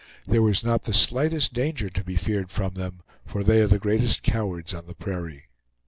There was not the slightest danger to be feared from them, for they are the greatest cowards on the prairie.